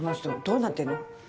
どうなってるの？